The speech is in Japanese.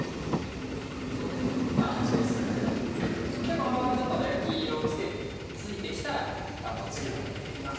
このままちょっと焼き色ついてきたら次のもの入れていきます。